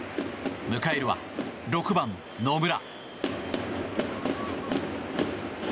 迎えるは６番、野村。